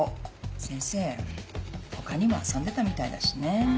先生ほかにも遊んでたみたいだしね。